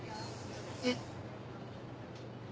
えっ？